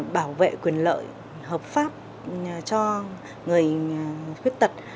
bảo vệ quyền lợi hợp pháp cho người khuyết tật